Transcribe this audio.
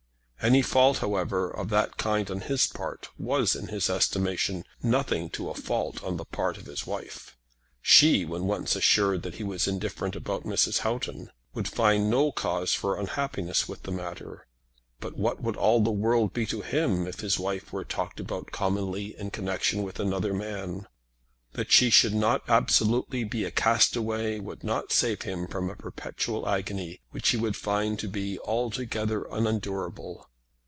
Any fault, however, of that kind on his part was, in his estimation, nothing to a fault on the part of his wife. She, when once assured that he was indifferent about Mrs. Houghton, would find no cause for unhappiness in the matter. But what would all the world be to him if his wife were talked about commonly in connection with another man? That she should not absolutely be a castaway would not save him from a perpetual agony which he would find to be altogether unendurable.